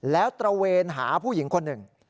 แล้วตระเวนหาผู้หญิงคนหนึ่ง